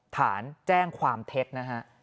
ฐานแจ้งความเท็จนะฮะ